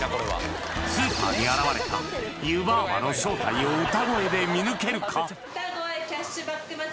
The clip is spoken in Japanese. スーパーに現れた湯婆婆の正体を歌声で見抜けるか？